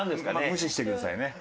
無視してくださいね。